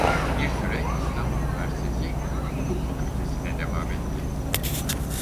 Bir süre İstanbul Üniversitesi Hukuk Fakültesi'ne devam etti.